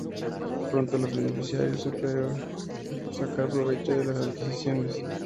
Pronto, los beneficiarios supieron sacar provecho de las adquisiciones.